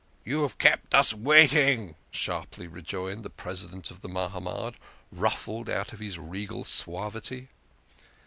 " You have kept us waiting," sharply rejoined the Presi dent of the Mahamad, ruffled out of his regal suavity.